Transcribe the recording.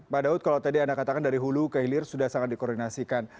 pak daud kalau tadi anda katakan dari hulu ke hilir sudah sangat dikoordinasikan